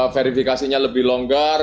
verifikasinya lebih longgar